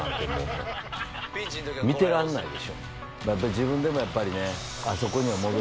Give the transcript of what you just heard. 自分でもやっぱり。